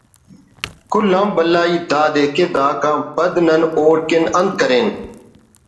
کل آن بھلا ہیت دادے کہ داکان پد نن اوڑکن انت کرین